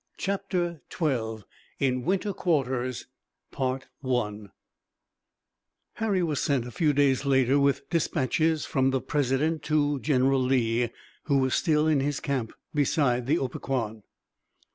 CHAPTER XII IN WINTER QUARTERS Harry was sent a few days later with dispatches from the president to General Lee, who was still in his camp beside the Opequan.